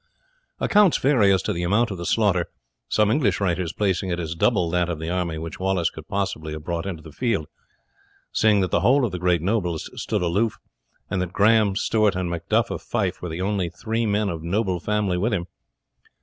Accounts vary as to the amount of the slaughter, some English writers placing it as double that of the army which Wallace could possibly have brought into the field, seeing that the whole of the great nobles stood aloof, and that Grahame, Stewart, and Macduff of Fife were the only three men of noble family with him.